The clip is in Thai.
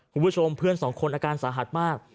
คุณผู้ชมเพื่อนสองคนอาการสาหัสมาก